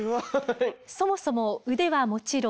そもそも腕はもちろん